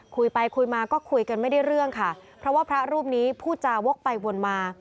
คุยไปคุยมาก็คุยกันไม่ได้เรื่องค่ะเพราะว่าพระรูปนี้พูดจาวกไปวนมา